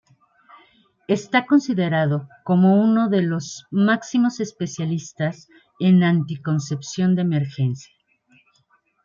Está considerado como uno de los máximos especialista en anticoncepción de emergencia.